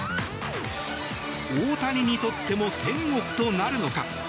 大谷にとっても天国となるのか。